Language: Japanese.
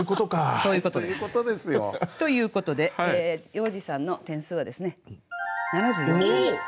そういうことです。ということで要次さんの点数は７４点でした。